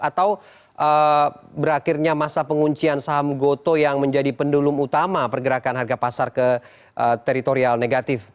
atau berakhirnya masa penguncian saham gotoh yang menjadi pendulum utama pergerakan harga pasar ke teritorial negatif